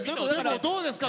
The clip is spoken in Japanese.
どうですか？